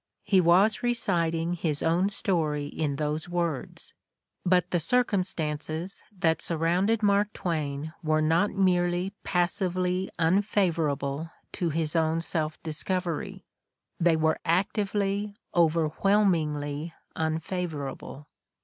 He was recit ing his own story in those words. But the circumstances that surrounded Mark Twain were not merely passively unfavorable to his own self discovery ; they were actively, overwhelmingly unfavorable.